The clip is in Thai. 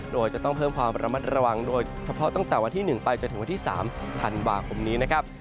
โดยจะต้องเพิ่มความระมัดระวังโดยเฉพาะตั้งแต่วันที่๑ไปจนถึงวันที่๓ธันวาคมนี้นะครับ